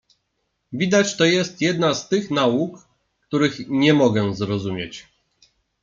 "Widać to jest jedna z tych nauk, których nie mogę zrozumieć."